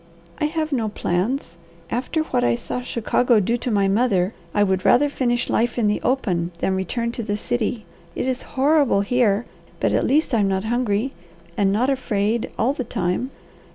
"I have no plans. After what I saw Chicago do to my mother I would rather finish life in the open than return to the city. It is horrible here, but at least I'm not hungry, and not afraid all the time."